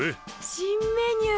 新メニュー！